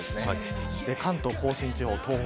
関東甲信地方、東北